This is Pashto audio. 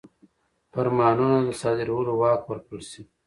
فرمانونو د صادرولو واک ورکړل شي.